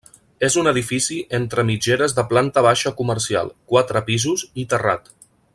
És un edifici entre mitgeres de planta baixa comercial, quatre pisos i terrat.